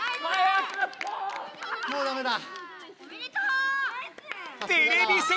もうダメだ。